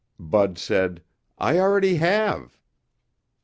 Bud said, "I already have."